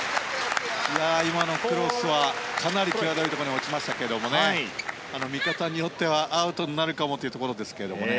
今のクロスはかなり際どいところに落ちましたけれども見方によってはアウトになるかもというところですけどもね。